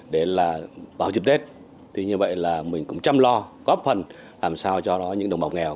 để vào dịp tết mình cũng chăm lo góp phần làm sao cho những đồng bào nghèo